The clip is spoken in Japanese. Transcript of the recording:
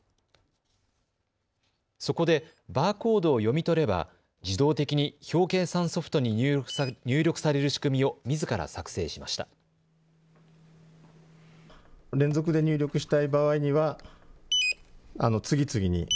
そこで、バーコードを読み取れば自動的に表計算ソフトに入力される仕組みをみずから作成しました。